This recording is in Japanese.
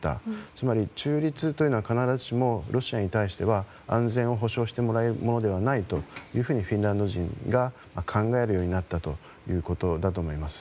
つまり、中立というのは必ずしもロシアに対しては安全を保障してもらえるものではないとフィンランド人が考えるようになったということだと思います。